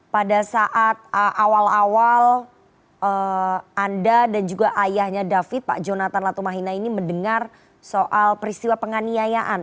pada saat awal awal anda dan juga ayahnya david pak jonathan latumahina ini mendengar soal peristiwa penganiayaan